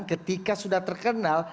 ketika sudah terkenal